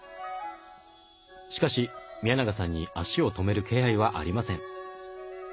しかし宮永さんに足を止める気配はありません。